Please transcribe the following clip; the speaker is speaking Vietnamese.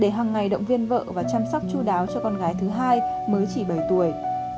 để hằng ngày động viên vợ và chăm sóc chú đáo cho con gái thứ hai mới chỉ bảy tuổi